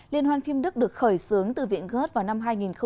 liên hoan phim đức được khởi xướng từ viện gớt vào năm hai nghìn một mươi